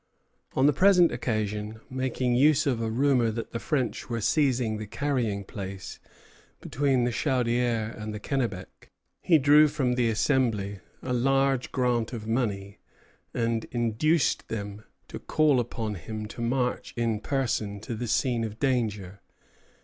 On the present occasion, making use of a rumor that the French were seizing the carrying place between the Chaudière and the Kennebec, he drew from the Assembly a large grant of money, and induced them to call upon him to march in person to the scene of danger.